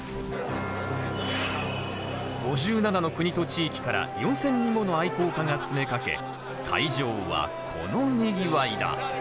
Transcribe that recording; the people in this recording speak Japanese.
５７の国と地域から４，０００人もの愛好家が詰めかけ会場はこのにぎわいだ。